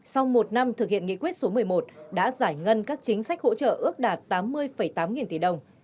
sau một năm thực hiện nghị quyết số một mươi một đã giải ngân các chính sách hỗ trợ ước đạt tám mươi tám nghìn tỷ đồng